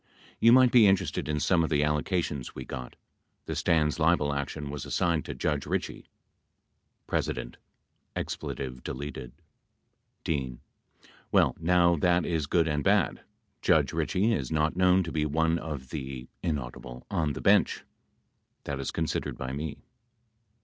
You might be interested in some of the allocations we got. The Stans' libel action was assigned to Judge Ritchie. P. (Expletive deleted.) D. Well now that is good and bad. Judge Ritchie is not known to be one of the [inaudible] on the bench, that is con sidered by me.